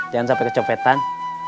jangan sampai kecopetan